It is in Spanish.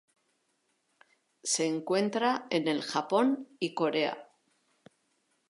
Se encuentra en el Japón y Corea.